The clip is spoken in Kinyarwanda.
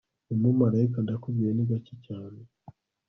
ni umumarayika ndakubwiye ni gake cyane